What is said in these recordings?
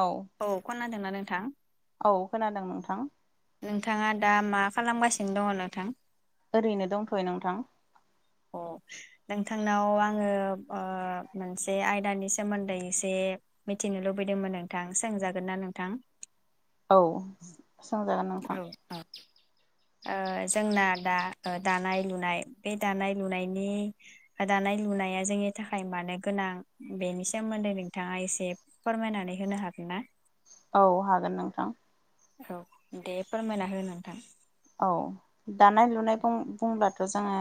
औ। खोनादोंना नोंथां? औ खोनादों नोंथां। नोंथाङा दा मा खालामगासिनो दङ नोंथां? ओरैनो दंथ'यो नोंथां। अ नोंथांनाव आङो ओ मोनसे आयदानि सोमोन्दै एसे मिथिनो लुबैदोंमोन नोंथां सोंजागोन ना नोंथां। औ सोंजागोन औ नोंथां। औ ओ जोंना दा दानाय लुनाय बे दानाय लुनायनि दानाय लुनाया जोंनि थाखाय मानो गोनां बेनि सोमोन्दै नोंथाङा एसे फोरमायनानै होनो हागोन ना? औ हागोन नोंथां। औ दे फोरमायना हो नोंथां। औ दानाय लुनाय बुं-बुंब्लाथ' जोङो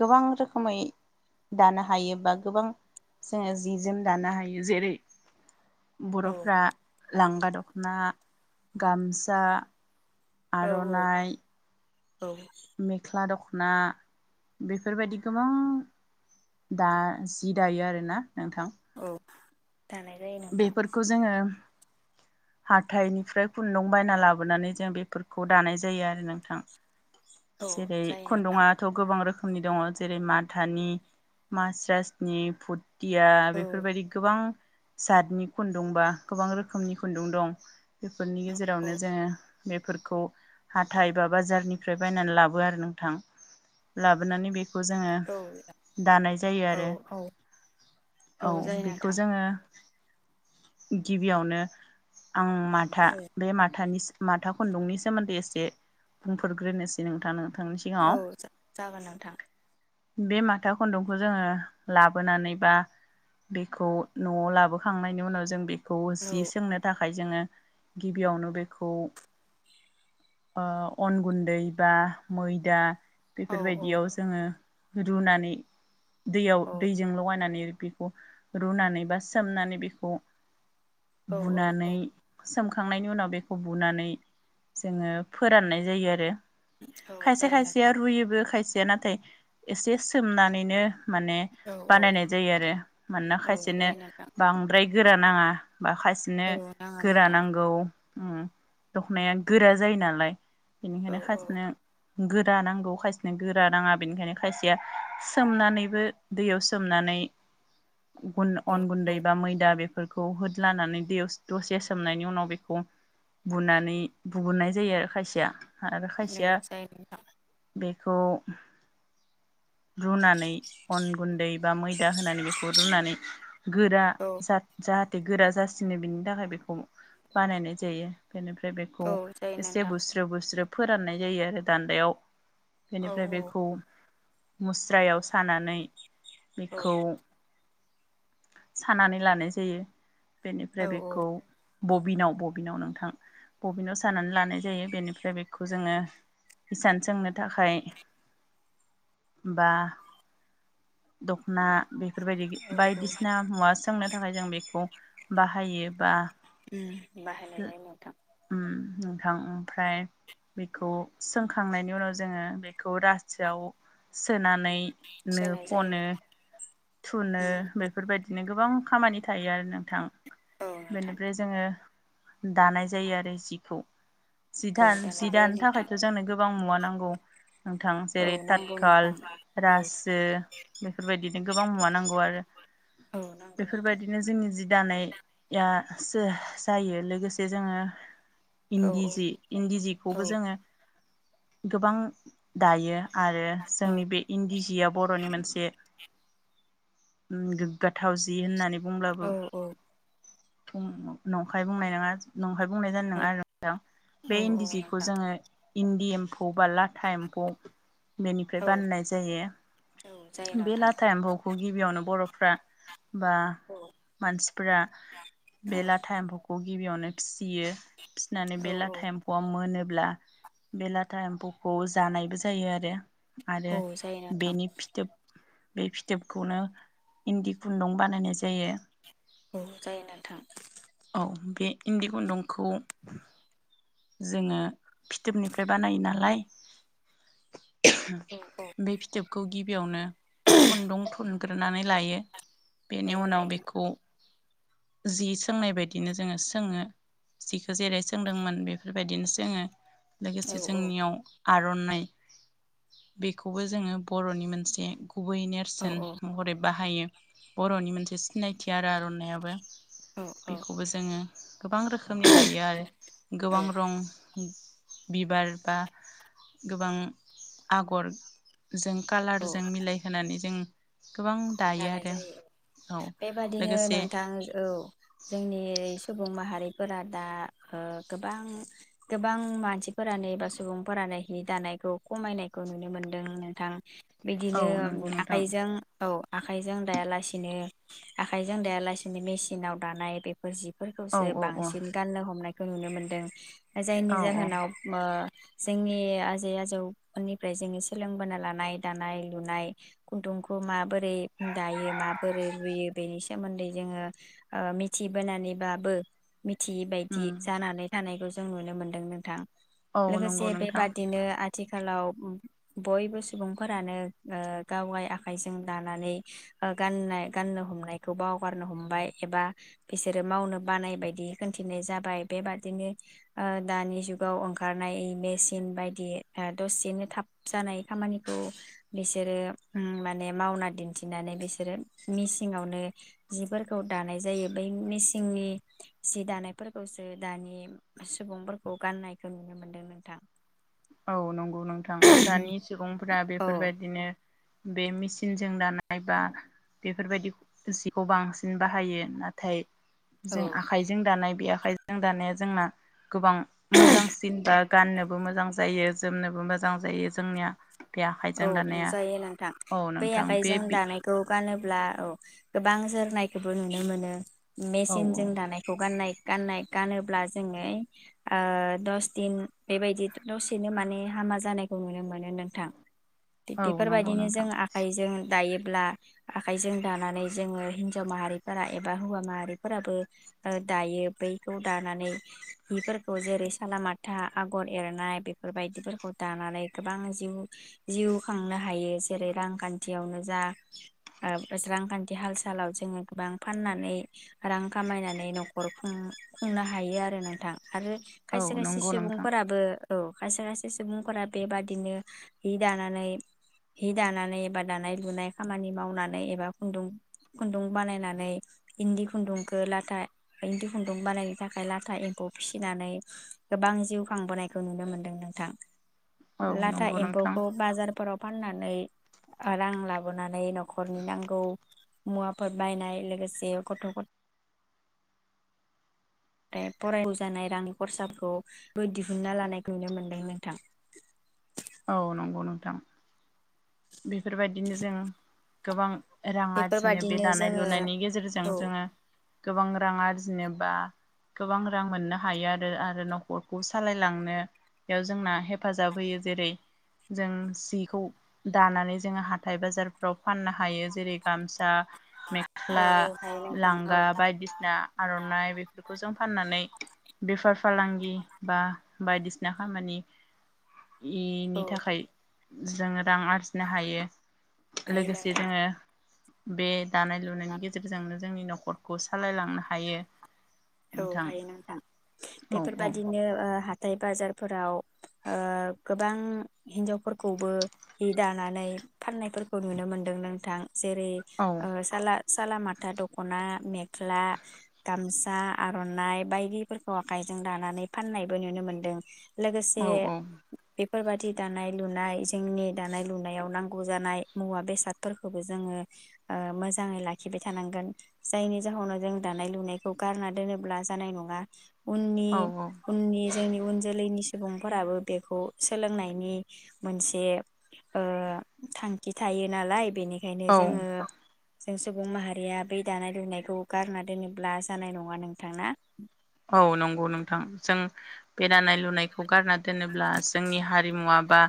गोबां रोखोमै दानो हायो बा गोबां जोङो जि जोम दानो हायो जेरै- औ बर'फ्रा लांगा दख'ना गामसा औ आर'नाइ औ मेख्ला दख'ना बेफोरबायदि गोबां दा जि दायो आरोना नोंथां [unintelligible] नोंथां बेफोरखौ जोङो हाथाइनिफ्राय खुन्दुं बायना लाबोनानै जों बेफोरखौ दानाय जायो आरो नोंथां। औ जेरै- जायो नोंथां खुन्दुङथ' गोबां रो खोमनि दङ जेरै- माथानि मास्रासनि फुद टिया औ बेफोरबायदि गोबां जातनि खुन्दुं बा गोबां रोखोमनि खुन्दुं दं बेफोरनि औ गेजेरावनो जोङो बेफोरखौ हाथाय बा बाजारनिफ्राय बायनानै लाबो आरो नोंथां लाबोनानै बे खौ जोङो औ दानाय जायो औ आरो औ औ जायो बेखौ नोंथां जोङो गिबियावनो आं माथा बे माथानि माथा खुन्दुंनि सोमोन्दै एसे ए बुंफोरग्रोनोसै [unintelligible] औ जा'जागोन नोंथां। बे माथा खुन्दुंखौ जोङो लाबोनानै बा बेखौ न'आव लाबोखांनायनि उनाव जों बे खौ औ जि सोंनो था खाय जोङो गिबियावनो बेखौ ओ अन गुन्दै बा मैदा औ बेफोरबायदियाव जोङो रुनानै दैयाव औ दैजों लगायनानै बेखौ रुनानै बा सोमनानै बेखौ औ बुनानै औ सोमखांनायनि उनाव बेखौ बुनानै जोङो फोराननाय जायो आरो औ खायसे जायो खायसेया नोंथां रुयोबो खायसे या नाथाय एसे सोमनानैनो माने औ औ बानायनाय जायो आरो मानोना औ खायसेनो जायो नोंथां बांद्राय गोरा नाङा बााखासिनो औ नाङा गोरा नोंथां नांगौ दखनाया गोरा जायो नालाय औ बिनिखायनो खाथिनो गोरा नांगौ खायसेनो गोरा नाङा बेनिखायनो खायसेया सोमनानैबो दैयाव सोमनानै औ अन गुन्दै औ बा मैदा बेफोर फोरखौ होद लानानै दसे सोमनायनि उनाव बेखौ बुनानै बुहुननाय जायो आरो खायसेया औ खायसेया जायो नोंथां बेखौ रुनानै अन गुन्दै बा मैदा होनानै बेखौ रुनानै गोरा औ जा जाथे गोरा जासिनो बिनि थाखाय बेखौ बानायनाय जायो बेनिफ्राय बेखौ औ जायो एसे नोंथां बुस्रो बुस्रो फोराननाय जायो आरो दान्दायाव औ बेनिफ्राय बेखौ औ मुस्रायाव सानानै बेखौ सानानै लानाय जायो बेनिफ्राय औ बेखौ बबिनाव बबिनाव नोंथां बबिनाव सानानै लानाय जायो बेनिफ्राय बेखौ जोङो इसान सोंनो थाखाय बा दख'ना बेफोरबायदि औ बायदिसिना मुवा सोंनो थाखाय जों बेखौ बाहायो बा उम बाहायनाय जायो नोंथां उम नोंथां ओमफ्राय बेखौ सोंखांनायनि उनाव जोङो बेखौ रासो आव सोनानै नो जानाय जायो खनो थुनो बेफोरबायदि [unintelligible] गोबां खामानि थायो आरो नोंथां औ नोंथां बेनिफ्राय जोङो दानाय जायो आरो जिखौ जि औ थान दानाय जि जायो दानो थाखाय नोंथां जानो गोबां मुवा नांगौ नोंथां औ जेरै नांगौ तातखाल नोंथां औ रासो बेफोरबायदिनो गोब बां मुवा नांगौ आरो औ नांगौ नोंथां बेफोरबायदिनो जोंनि जि दाना या सो जायो लोगोसे जोङो औ इन्दि जि इन्दि औ जिखौबो औ जोङो गोबां दायो आरो औ जोंनि बे इन्दि जिया बरनि मोनसे उम गोग्गाथाव जि होननानै औ बुंब्लाबो औ उम नंखाय बुंनाय नङा नं खाय बुंनाय जानाय नङा आरो नोंथां बे औ इन्दि जिखौ नोंथां जोङो इन्दि एमफु औबा लाथा एम्फौ बेनिफ्राय औ बाननाय औ जायो जायो बे नोंथां लाथा एम्फौखौ गिबियावनो बर फ्रा बा औ मानसिफोरा औ बेला थाइमफोरखौ गिबियावनो फिसियो फिसिनानै औ बे औ लाथा एम्फौ आ मोनो ब्ला बे लाथा एम्फौखौ जानायबो जायो आरो आरो औ जायो नोंथां बिनि फिथोब बे फिथोबखौनो इन्दि खुन्दुं बानायनाय जायो औ जायो नोंथां [unintelligible] बे इन्दि खुन्दुंखौ जोङो फिथोबनिफ्राय बानायो नालाय औ औ [inaudible] बे फिथोबखौ गिबियावनो खुन्दुं थुन ग्रोनानै लायो औ बेनि उनाव लायो बेखौ जि सोंनाय बायदिनो जोङो सोङो जिखौ जेरै सोंदोंमोन बेफो बेबायदिनो सोङो। औ लोगोसे जोंनियाव आर'नाइ बेखौबो जोङो बर'नि मोनसे गुबै औ नेरसोन महरैबा हायो बर'नि मोन सिनायथि आरो आरनाय [unintelligible] औ बेखौबो जोङो गोबां रोखोमनि दायो आरो औ गोबां रख बिबार बा गोबां आगर जों कालारजों मिलायहोनानै जों गोबां दायो दानाय आरो जायो औ बेबादिनो लोगोसे नोंथां औ जोंनि सुबुं माहारिफोरा दा ओ गोबां गोबां मानसिफोरानो एबा सुबुंफोरानो हि दानायखौ खमायनायखौ नुनो मोनदों नोंथां औ बिदिनो नंगौ नोंथां आखाइजों औ आखाइजों दायालासिनो आखायजों दाया लासिनो मेसिनाव दानाय बेफोर जि औ फोरखौसो औ औ बांसिन गाननो हमनाय खौ नुनो मोन्दों। जायनि औ औ जाहोनाव ओ जोंनि आजै आजौफोरनिफ्राय जोङो सोलोंबोनो लानाय दानाय लुनाय खुन्दुंखौ मा बोरै दायो माबोरै रुयो बेनि सोमोन्दै जोङो ओ मिथि बोनानैबाबो मिथियै बायदि उम जानानै थानायखौ जो जों नुनो मोन्दों नोंथां। औ नंगौ लोगोसे बे नोंथां बादिनो आथि आथिखालाव बयबो सुबुंफोरानो ओ गावगाय आखाइजों दानानै ओ गाननाय गाननो हमनायखौ बावगारनो हमबाय एबा बिसोरो मावनो बानाय बायदि खिथिनाय जाबाय बेबादिनो ओ दानि जुगाव ओंखारनाय मेसिन बायदि ओ दसेनो थाब जानाय खामानिखौ बिसोरो उम माने मावना दि थिनानै बिसोरो मिसिंआवनो जिफोरखौ दानाय जायो बै मिसिंनि जि दानायफोरखौसो दानि सुबुंफोरखौ गाननायखौ नुनो मोनदों नोंथां। औ नंगौ नोंथां दानि सुबुं बेफोर औ बायदिनो। बे मेचिनजों दानाय बा बेफोर बायदि जिखौ बांसिन बाहायो नाथाय औ जों आखाइजों दानाय बे आखायजों दानाया जोंना गोबां मोजांसिन बा गाननोबो मोजां जायो जोमनोबो मोजां जायो जोंनिया। बे औ आखाइजों दानाया जायो नोंथां औ बै नोंथां आखाय बे जों बि दानायखौ गानो ब्ला औ गोबां जोरनायखौबो नुनो मोनो। औ मेचिनजों दानायखौ गाननाय गाननाय गानोब्ला जोङो ओ दस दिन बेबायदि दसेनो माने हामा जानायखौ नुनो मोनो नोंथां। औ बेफोर नंगौ बायदिनो जों नोंथां आखाइजों दायो। अब्ला आखाइजों दानानै जोङो हिनजाव माहारिफोरा एबा हौवा माहारिफोराबो ओ दायो बैखौ दानानै हिफोरखौ जेरै सालामलामाथा आगर एरनाय बेफोरबायदिफोरखौ दानानै गोबां जिउ जिउ खांनो हायो। जेरै रांखान्थियावनो जा ओ रांखान्थि हाल सालाव जोङो गोबां फाननानै रां खामायनानै न'खर खुं खुंनो हायो आरो नोंथां। आरो औ खायसे खायसे नंगौ नोंथां सुबुंफोराबो औ खायसे खायसे सुबुंफोरा बे बादिनो हि दानानै हि दानानै एबा दानाय लुनाय खामानि मावनानै एबा खुन्दुं खुन्दुं बानायनानै इन्दि खुन्दुंखौ लाथा इन्दि खुन्दुं बानायनो थाखाय लाथा एम्फौ फिसिनानै गोबां जिउ खांबोनायखौ नुनो मोनदों नोंथां। औ लाथा नंगौ नोंथां। एम्फौखौ बाजारफोराव फाननानै रां लाबोनानै न'खरनि नांगौ मुवाफोर बायनाय लोगोसे गथ' गथा फ्राय फरायनाव जानाय रांनि खरसाफोरखौबो दिहुनन्ना लानायखौ नुनो मोनदों नोंथां। औ नंगौ नोंथां। बेफोरबायदिनो जों गोबां रां आरजिनो बे बेफोरबादिनो दानाय जोङो लुनायनि गेजेरजों औ जोङो गोबां रां आरजिनो बा गोबां रां मोननो हायो आरो आरो न'खरखौ सालायलांनो जोंना हेफाजाब होयो जेरै जों सिखौ दानानै जोङो हाथाय बाजारफ्राव फाननो हायो जेरै गामसा औ मेख्ला औ हायो नोंथां औ लांगा बायदिसिना आर'नाइ बेफोरखौ जों फाननानै बेफार फालांगि बा बायदिसिना खामानि औ इनि थाखाय जोङो रां आरजिनो हायो हायो लोगोसे नोंथां जोङो बे दानाय लुनायनि गेजेरजोंनो जोंनि न'खरखौ सालायलांनो हायो। औ नोंथां हायो नोंथां औ बेफोर औ बायदिनो ओ हाथ हाथाय बाजारफोराव ओ गोबां हिन्जावफोरखौबो हि दानानै फाननायफोरखौ नुनो मोनदों नोंथां। जेरै औ ओ साला साला माथा दख'ना मेख्ला गामसा आर'नाइ बायदिफोरखौ आखाइजों दानानै फाननायबो नुनो मोन्दों। लोगोसे औ बेफ बेफोरबादि दानाय लुनाय जोंनि दानाय लुनायाव नांगौ जानाय मुवा बेसादफोरखौबो जोङो ओ मोजाङै लाखिबाय थानांगोन जायनि जाहोनाव जों दानाय लुनायखौ गारनानै दोनोब्ला जानाय नङा। उननि औ औ उननि जोंनि उन जोलैनि सुबुंफोराबो बेखौ सोलोंनायनि मोनसे ओ थांखि थायो नालाय बेनिखायनो औ जोङो जों सुबुं माहारिया बै दानाय लुनायखौ गारना दोनोब्ला जानाय नङा नों थां ना औ नंगौ नोंथां जों बे दानाय लुनायखौ गारना दोनोब्ला जोंनि हारिमुवा बा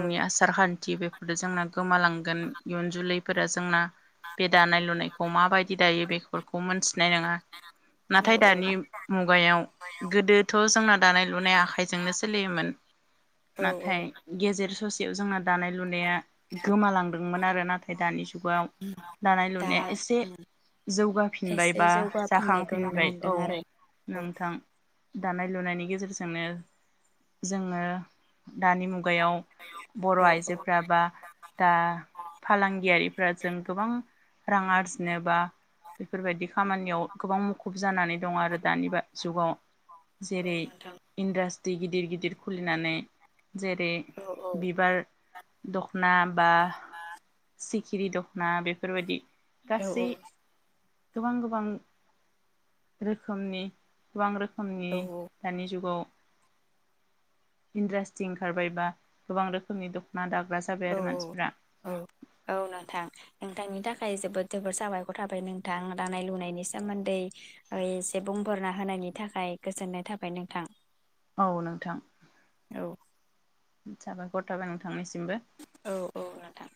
औ आसारखान्थि बे जोंना गोमालांगोन इयुन जोलैफोरा जोंना बे दानाय लुनायखौ माबायदि दायो बेखौ फोरखौ मोनथिनाय नङा औ नाथाय दानि औ मुगायाव गोदोथ' जोंना दानाय लुनाय आखाइजोंनो सोलियोमोन औ औ नाथाय गेजेर ससे जोंना दानाय लुनाया गोमालांदोंमोन आरो नाथाय दानि जुगाव दानाय लुनाया दा एसे जौगाफिनबाय एसे बा जौगाफिननायखौ नुनो जाखांफिनबाय मोनदों औ आरो औ नोंथां दानाय लुनायनि गेजेरजोंनो जोङो दानि मुग गायाव बर औ आइजोफ्रा औ बा दा फालांगियारिफ्रा जों गोबां रां आरजिनोबा बेफोरबायदि खामानियाव गोबां मुखुब जानानै दङ आरो दानि जुगाव औ जेरै नोंथां इन्डासट गिदिर गिदिर खुलिनानै जेरै औ औ बिबार दखना बा सिखिरि दखना बेफोरबायदि औ गासै औ गोबां गोबां रोखोमनि गोबां रोखोम समनि दानि जुगाव इनडासट्रि ओंखारबाय बा गोबां रोखोमनि दख ना दाग्रा जाबाय औ आरो मानसिफ्रा औ औ नोंथां नोंथांनि थाखाय जोबोद जोबोद साबायखर थाबाय नोंथां दानाय लुनायनि सोमोन्दै एसे बुंफोरना होनायनि थाखाय गोजोननाय थाबाय नोंथां। औ नोंथां। औ साबायखर थाबाय नोंथांनिसिम औ औ नोंथां